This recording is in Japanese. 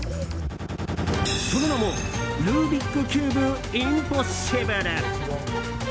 その名も、ルービックキューブインポッシブル。